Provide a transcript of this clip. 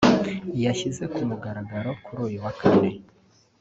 yashyize ku mugaragaro kuri uyu wa Kane